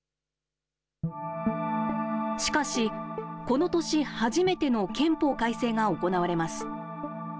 しかし、この年、初めての憲法改正が行われます。